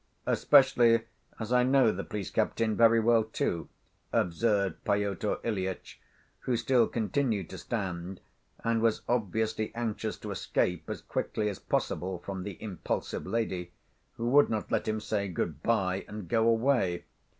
"Especially as I know the police captain very well, too," observed Pyotr Ilyitch, who still continued to stand, and was obviously anxious to escape as quickly as possible from the impulsive lady, who would not let him say good‐by and go away.